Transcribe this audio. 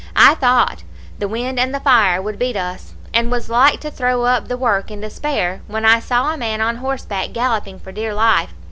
I thought the wind and the fire would beat us, and was like to throw up the work in despair, when I saw a man on horseback galloping for dear life.